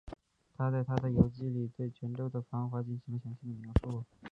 他在他的游记里对泉州的繁华进行了详细的描述。